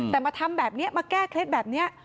แต่มาทำแบบนี้มาแก้เคล็ดแบบนี้